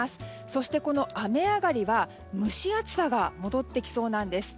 そして、この雨上がりは蒸し暑さが戻ってきそうなんです。